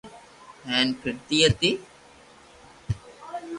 ھيين پھرتي ھتي